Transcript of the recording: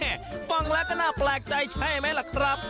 ฟังแล้วก็น่าแปลกใจใช่ไหมล่ะครับ